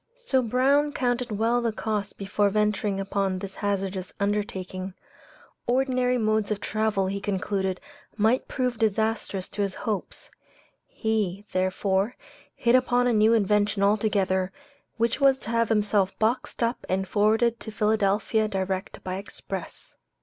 So Brown counted well the cost before venturing upon this hazardous undertaking. Ordinary modes of travel he concluded might prove disastrous to his hopes; he, therefore, hit upon a new invention altogether, which was to have himself boxed up and forwarded to Philadelphia direct by express.